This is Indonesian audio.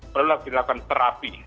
perlu dilakukan terapi